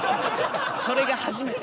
それが初めて？